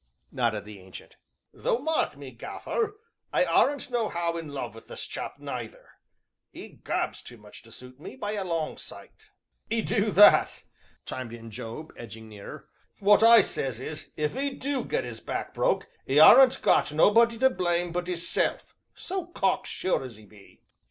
nodded the Ancient. "Though, mark me, Gaffer, I aren't nohow in love wi' this chap neither 'e gabs too much to suit me, by a long sight!" "'E do that!" chimed in Job, edging nearer; "what I sez is, if 'e do get 'is back broke, 'e aren't got nobody to blame but 'isself so cocksure as 'e be."